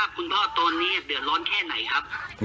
คุณพ่อตอนนี้เดือดร้อนแค่ไหนครับ